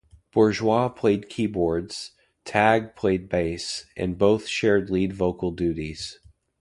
Bourgeois played keyboards, Tagg played bass, and both shared lead vocal duties.